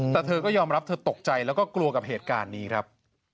แต่เธอก็ยอมรับเธอตกใจแล้วก็กลัวกับเหตุการณ์นี้ครับ